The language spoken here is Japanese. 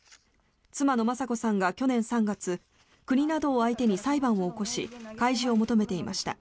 妻の雅子さんが去年３月国などを相手に裁判を起こし開示を求めていました。